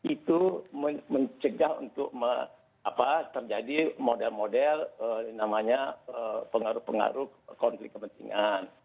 itu mencegah untuk terjadi model model namanya pengaruh pengaruh konflik kepentingan